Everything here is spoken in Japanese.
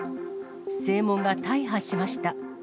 正門が大破しました。